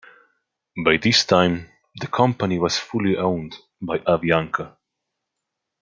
By this time, the company was fully owned by Avianca.